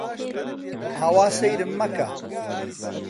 ئاوا سەیرم مەکە!